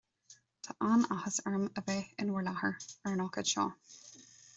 Tá an-áthas orm a bheith in bhur láthair ar an ócáid seo